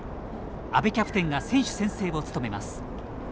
阿部キャプテンが選手宣誓を務めます。